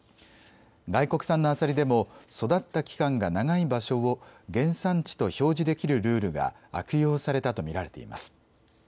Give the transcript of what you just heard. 外国産のアサリでも育った期間が長い場所を原産地と表示できるルールが悪用されたと見られています。